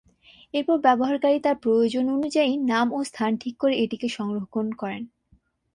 এরপর ব্যবহারকারী তার প্রয়োজন অনুযায়ী নাম ও স্থান ঠিক করে এটিকে সংরক্ষণ করেন।